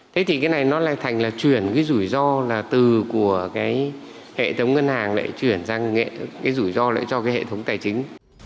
thế thì cái này nó lại thành là chuyển cái rủi ro là từ của cái hệ thống ngân hàng lại chuyển sang cái rủi ro lại cho cái hệ thống tài chính